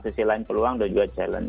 sisi lain peluang dan juga challenge